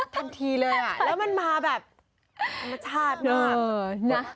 ทันทีเลยอ่ะแล้วมันมาแบบธรรมชาติมากนะ